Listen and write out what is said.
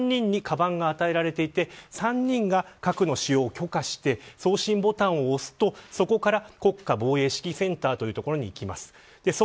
こちらの３人にカバンが与えられていて３人が核の使用を許可して送信ボタンを押すと、そこから国家防衛指揮センターという所にいきます。